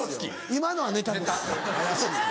今のはネタです。